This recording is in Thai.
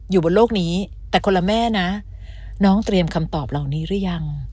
อยู่บนโลกนี้แต่คนละแม่นะน้องเตรียมคำตอบเหล่านี้หรือยัง